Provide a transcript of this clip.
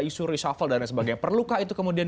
isu reshuffle dan lain sebagainya perlukah itu kemudian